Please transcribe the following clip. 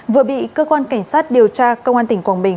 vừa bị cơ quan cảnh sát điều tra công an tỉnh quảng bình